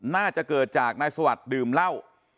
น่าจะเกิดจากนายสวัสดิ์ดื่มเหล้า